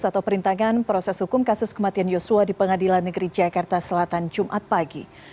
atau perintangan proses hukum kasus kematian yosua di pengadilan negeri jakarta selatan jumat pagi